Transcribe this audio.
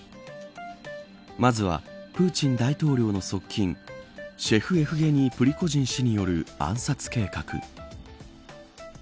まずはプーチン大統領の側近シェフ・エフゲニー・プリコジン氏による暗殺計画。